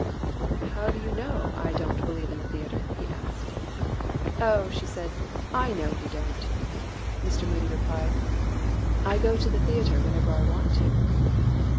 "How do you know I don't believe in the theatre?" he asked. "Oh," she said, "I know you don't." Mr. Moody replied, "I go to the theatre whenever I want to."